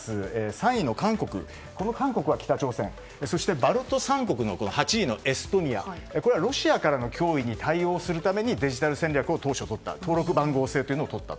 ３位の韓国そしてバルト三国の８位のエストニアロシアからの脅威に対応するためデジタル戦略をとった登録番号制をとった。